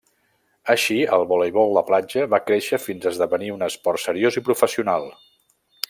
Així, el voleibol de platja va créixer fins a esdevenir un esport seriós i professional.